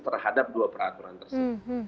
terhadap dua peraturan tersebut